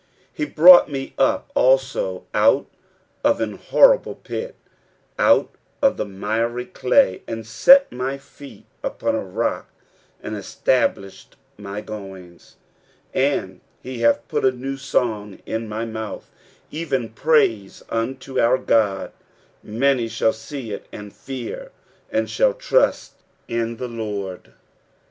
2 He brought me up also out of an horrible pit, out of the miry clay, and set my feet upon a rock, and established my goings. 3 And he hath put a new song in my mouth, evert praise unto our God : many shall see ii, and fear, and shall trust in the Lord.